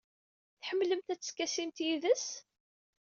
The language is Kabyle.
Tḥemmlemt ad teskasimt yid-s?